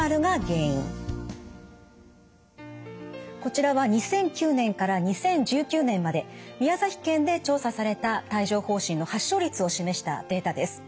こちらは２００９年から２０１９年まで宮崎県で調査された帯状ほう疹の発症率を示したデータです。